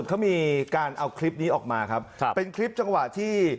เขามีการเอาคลิปนี้ออกมาครับครับเป็นคลิปจังหวะที่